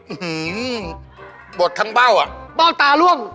หือบดทั้งเบ้าอ่ะเบ้าตาล่วง